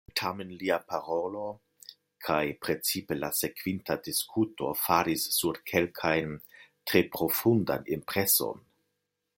Tamen lia parolo, kaj precipe la sekvinta diskuto, faris sur kelkajn tre profundan impreson.